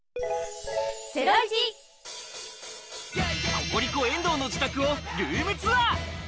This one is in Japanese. ココリコ・遠藤の自宅をルームツアー。